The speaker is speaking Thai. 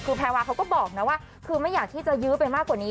คือแพรวาเขาก็บอกนะว่าคือไม่อยากที่จะยื้อไปมากกว่านี้